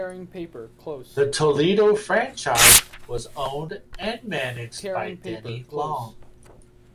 The Toledo franchise was owned and managed by Denny Long.